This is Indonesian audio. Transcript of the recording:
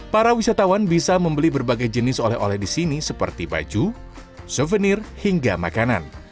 para wisatawan bisa membeli berbagai jenis oleh oleh di sini seperti baju souvenir hingga makanan